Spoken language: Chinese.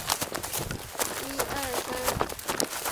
两国都同样是北约组织及欧盟的成员国家。